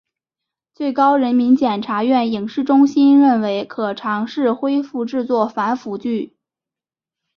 最高人民检察院影视中心认为可尝试恢复制作反腐剧。